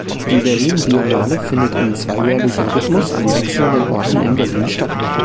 Die Berlin Biennale findet im zweijährlichen Rhythmus an wechselnden Orten in Berlin statt.